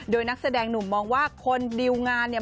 โดยนักแสดงหนุ่มมองว่าคนดิวงานเนี่ย